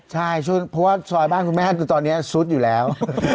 ใช่เพราะว่าซอยบ้านคุณแม่คือตอนนี้ซุดอยู่แล้ว